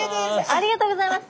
ありがとうございます。